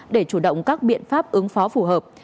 để chủ động các biện pháp ứng phó phù hợp